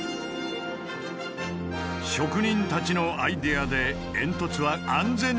職人たちのアイデアで煙突は安全に解体された。